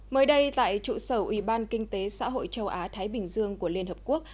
mới đây tại trụ sở ủy ban kinh tế xã hội châu á thái bình dương của liên hợp quốc